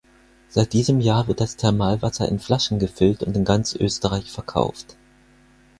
Seit diesem Jahr wird das Thermalwasser in Flaschen gefüllt und in ganz Österreich verkauft.